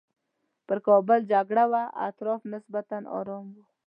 پر کابل جګړه وه اطراف نسبتاً ارام وو.